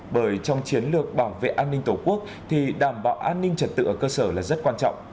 bởi trong chiến lược bảo vệ an ninh tổ quốc thì đảm bảo an ninh trật tự ở cơ sở là rất quan trọng